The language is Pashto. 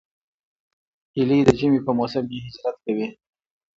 هیلۍ د ژمي په موسم کې هجرت کوي